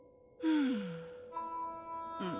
うん